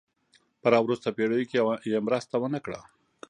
په را وروسته پېړیو کې یې مرسته ونه کړه.